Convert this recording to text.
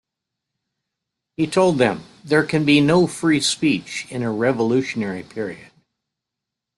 He told them: There can be no free speech in a revolutionary period.